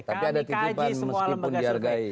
kami kaji semua lembaga survei